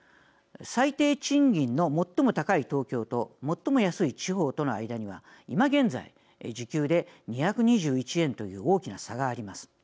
最低賃金の最も高い東京と最も安い地方との間には今現在、時給で２２１円という大きな差があります。